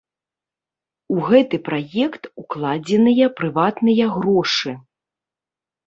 У гэты праект укладзеныя прыватныя грошы.